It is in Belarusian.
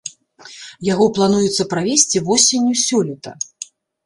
Яго плануецца правесці восенню сёлета.